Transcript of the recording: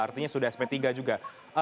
artinya sudah sp tiga juga